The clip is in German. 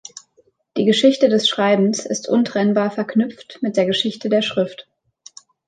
Die Geschichte des Schreibens ist untrennbar verknüpft mit der Geschichte der Schrift.